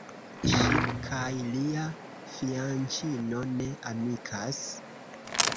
Ŝi kaj lia fianĉino ne amikas.